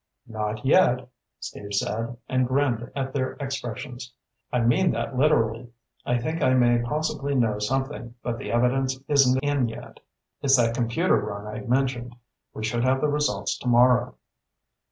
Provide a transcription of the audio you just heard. "Not yet," Steve said, and grinned at their expressions. "I mean that literally. I think I may possibly know something, but the evidence isn't in yet. It's that computer run I mentioned. We should have the results tomorrow."